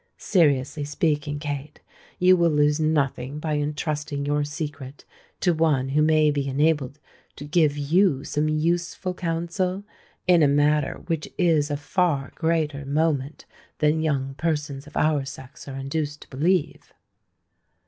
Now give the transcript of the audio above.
Seriously speaking, Kate—you will lose nothing by entrusting your secret to one who may be enabled to give you some useful counsel in a matter which is of far greater moment than young persons of our sex are induced to believe?"